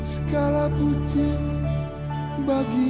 semoga semuanya baik